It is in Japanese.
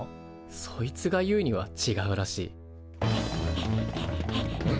そいつが言うにはちがうらしい。